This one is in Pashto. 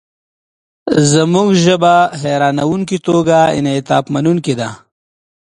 زموږ ژبه حیرانوونکې توګه انعطافمنونکې ده.